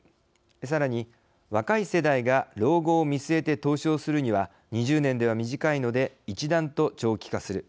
さらに若い世代が老後を見据えて投資をするには２０年では短いので一段と長期化する。